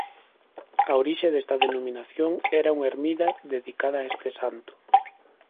A orixe desta denominación era unha ermida dedicada a este santo.